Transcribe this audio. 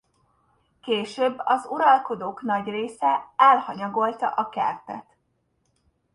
Később az uralkodók nagy része elhanyagolta a kertet.